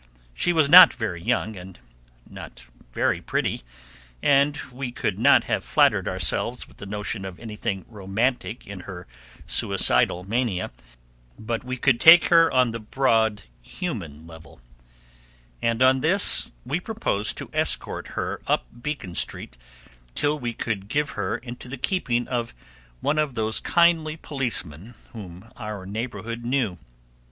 She was not very young and not very pretty, and we could not have flattered ourselves with the notion of anything romantic in her suicidal mania, but we could take her on the broad human level, and on this we proposed to escort her up Beacon Street till we could give her into the keeping of one of those kindly policemen whom our neighborhood knew.